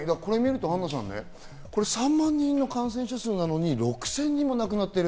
アンナさん、３万人の感染者なのに６０００人も亡くなってる。